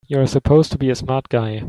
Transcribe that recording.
You're supposed to be a smart guy!